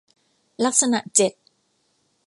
ลักษณะเจ็ด